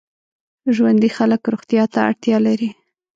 ژوندي خلک روغتیا ته اړتیا لري